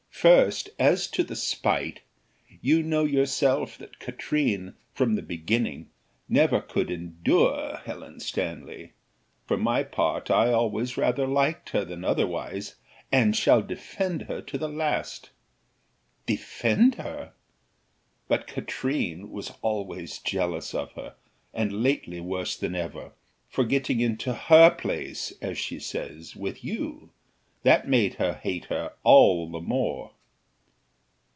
First as to the spite, you know yourself that Katrine, from the beginning, never could endure Helen Stanley; for my part, I always rather liked her than otherwise, and shall defend her to the last." "Defend her!" "But Katrine was always jealous of her, and lately worse than ever, for getting into her place, as she says, with you; that made her hate her all the more."